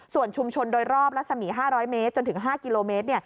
ส่วนชุมชนโดยรอบรัศมี๕๐๐เมตรจนถึง๕กิโลเมตร